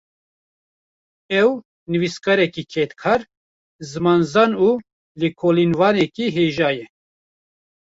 Ew, nivîskarekî kedkar, zimanzan û lêkolînvanekî hêja ye